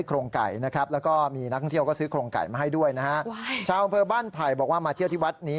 ออกขึ้นมากินไก่อย่างใกล้ชิด